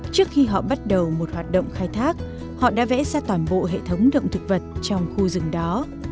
trước khi họ bắt đầu một hoạt động khai thác họ đã vẽ ra toàn bộ hệ thống động thực vật trong khu rừng đó